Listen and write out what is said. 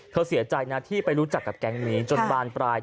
เสียใจนะที่ไปรู้จักกับแก๊งนี้จนบานปลาย